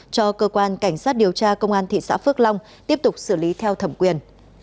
cho cơ quan cảnh sát điều tra công an thị xã phước long tiếp tục xử lý theo thẩm quyền